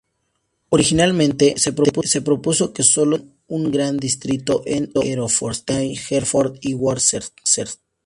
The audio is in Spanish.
Originalmente se propuso que solo tuvieran un gran distrito en Herefordshire, Hereford y Worcester.